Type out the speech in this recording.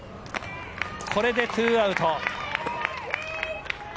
これでツーアウト。